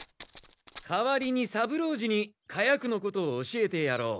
代わりに三郎次に火薬のことを教えてやろう。